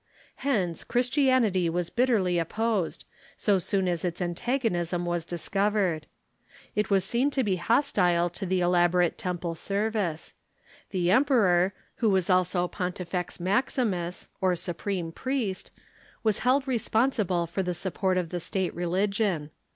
Hence, Chris tianity was bitterly opposed, so soon as its antagonism was discovered. It Avas seen to be hostile to the elaborate temple service. The emperor, who was also Pontifex Maximus, or supreme priest, was held responsible for the support of the state religion.